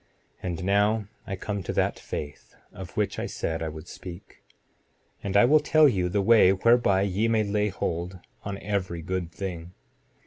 7:21 And now I come to that faith, of which I said I would speak; and I will tell you the way whereby ye may lay hold on every good thing.